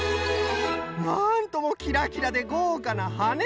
なんともきらきらでごうかなはね！